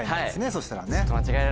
そしたらね。